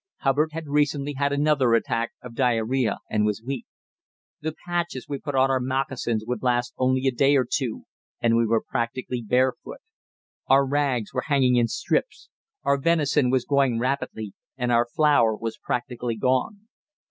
Hubbard had recently had another attack of diarrhoea, and was weak. The patches we put on our moccasins would last only a day or two, and we were practically barefoot. Our rags were hanging in strips. Our venison was going rapidly, and our flour was practically gone.